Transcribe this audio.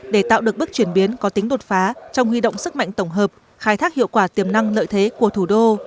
để tạo được bước chuyển biến có tính đột phá trong huy động sức mạnh tổng hợp khai thác hiệu quả tiềm năng lợi thế của thủ đô